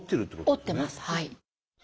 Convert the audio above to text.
折ってますはい。